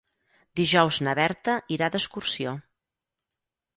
Dijous na Berta irà d'excursió.